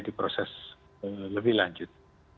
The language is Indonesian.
diproses lebih lanjut